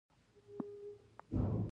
هېڅکله د نورو په عیبو پيسي مه ګرځه!